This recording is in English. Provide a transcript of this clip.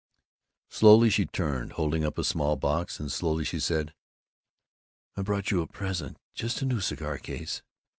Slowly she turned, holding up a small box, and slowly she said, "I brought you a present, just a new cigar case.